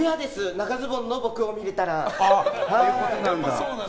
長ズボンの僕を見れたら。